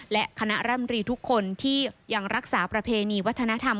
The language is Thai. และคณะร่ำรีทุกคนที่ยังรักษาประเพณีวัฒนธรรม